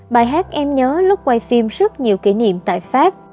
bài hát em nhớ lúc quay phim rất nhiều kỷ niệm tại pháp